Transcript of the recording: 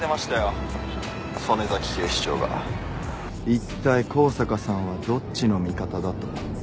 いったい香坂さんはどっちの味方だと。